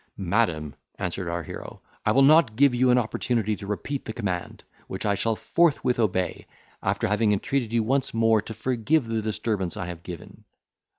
"Madam," answered our hero, "I will not give you an opportunity to repeat the command, which I shall forthwith obey, after having entreated you once more to forgive the disturbance I have given."